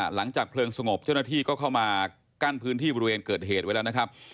หลังจากเพลิงสงบเจ้าหน้าที่ก็เข้ามากั้นพื้นที่บริเวณเกิดเหตุไว้แล้วนะครับ